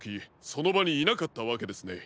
そのばにいなかったわけですね。